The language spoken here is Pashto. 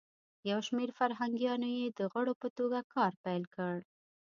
یو شمیر فرهنګیانو یی د غړو په توګه کار پیل کړ.